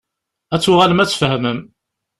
Ad tuɣalem ad tfehmem.